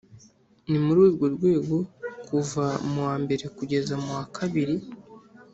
Ni muri urwo rwego kuva mu wa mbere kugeza mu wa kabiri